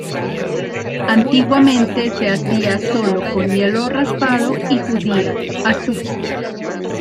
Antiguamente se hacía solo con hielo raspado y judía "azuki".